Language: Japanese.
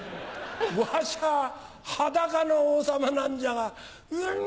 わしゃ裸の王様なんじゃがん！